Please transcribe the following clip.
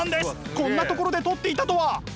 こんなところで撮っていたとは！